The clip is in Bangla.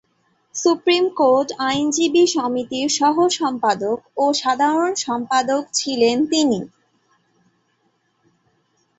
সুপ্রিম কোর্ট আইনজীবী সমিতির সহ-সম্পাদক ও সাধারণ সম্পাদক ছিলেন তিনি।